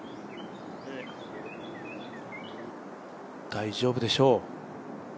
大丈夫でしょう。